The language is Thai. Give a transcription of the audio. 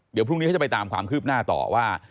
เดี๋ยวพรุ่งนี้เขาจะไปตามความคืบหน้าต่อว่า